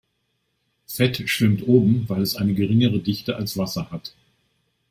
Fett schwimmt oben, weil es eine geringere Dichte als Wasser hat.